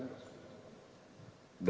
dan ini akan masih ada